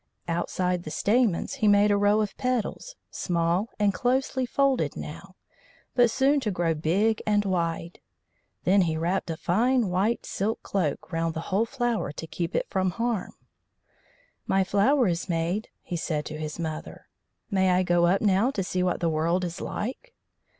Outside the stamens he made a row of petals, small and closely folded now, but soon to grow big and wide. Then he wrapped a fine white silk cloak round the whole flower to keep it from harm. "My flower is made," he said to his mother. "May I go up now to see what the world is like?"